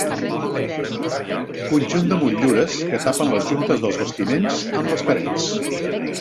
Conjunt de motllures que tapen les juntes dels bastiments amb les parets.